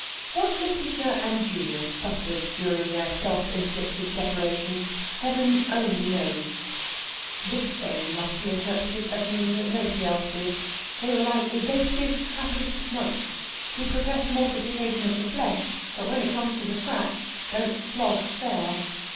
What Lætitia and Julius suffered during their self inflicted separation, Heaven only knows! This saying must be interpreted as meaning that nobody else did. They were like evasive Trappist monks, who profess mortification of the flesh, but when it comes to the scratch, don't flog fair.